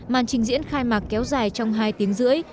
màn trình diễn khai mạc kéo dài trong hai tiếng rưỡi